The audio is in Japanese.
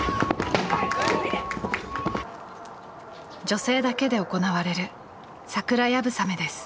女性だけで行われる桜流鏑馬です。